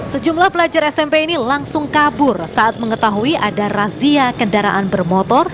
sejumlah pelajar smp ini langsung kabur saat mengetahui ada razia kendaraan bermotor